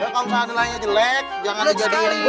kalau misalnya nilainya jelek jangan jadi gorengan ya